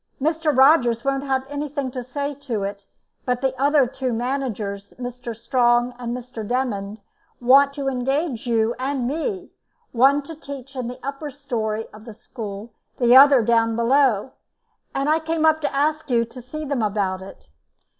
Mr. Rogers won't have anything to say to it, but the other two managers, Mr. Strong and Mr. Demmond, want to engage you and me, one to teach in the upper storey of the school, the other down below, and I came up to ask you to see them about it."